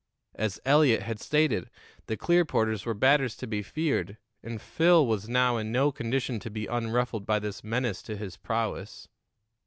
As Eliot had stated, the Clearporters were batters to be feared, and Phil was now in no condition to be unruffled by this menace to his prowess.